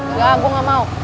enggak gue gak mau